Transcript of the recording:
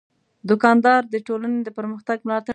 دوکاندار د ټولنې د پرمختګ ملاتړ کوي.